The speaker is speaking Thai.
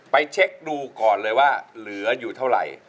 เช็คดูก่อนเลยว่าเหลืออยู่เท่าไหร่